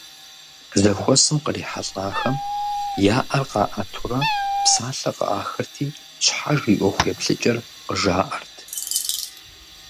Зэхуэсым кърихьэлӀахэм я Ӏэр къаӀэтурэ псалъэ къыӀахырти щхьэж и ӀуэхуеплъыкӀэр къыжаӀэрт.